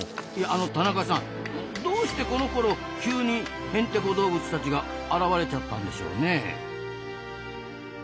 田中さんどうしてこのころ急にヘンテコ動物たちが現れちゃったんでしょうね？